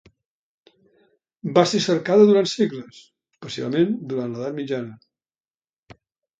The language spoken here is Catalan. Va ser cercada durant segles, especialment durant l'Edat Mitjana.